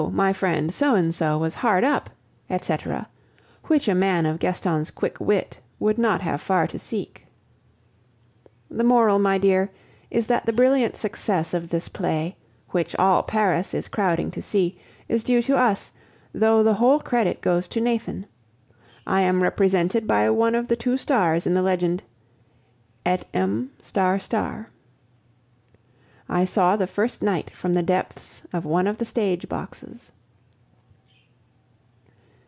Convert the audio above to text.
my friend So and So was hard up!" etc., which a man of Gaston's quick wit would not have far to seek. The moral, my dear, is that the brilliant success of this play, which all Paris is crowding to see, is due to us, though the whole credit goes to Nathan. I am represented by one of the two stars in the legend: Et M . I saw the first night from the depths of one of the stage boxes.